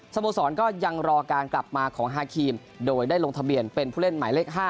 โมสรก็ยังรอการกลับมาของฮาครีมโดยได้ลงทะเบียนเป็นผู้เล่นหมายเลข๕